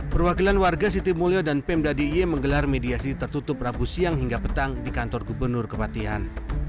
perwakilan warga siti mulyo dan pemda d i e menggelar mediasi tertutup rabu siang hingga petang di kantor gubernur kepatian